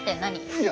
いや。